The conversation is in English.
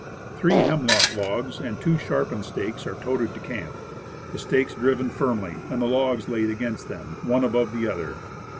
Three hemlock logs and two sharpened stakes are toted to camp; the stakes driven firmly, and the logs laid against them, one above the other.